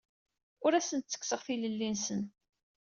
Ur asent-ttekkseɣ tilelli-nsen.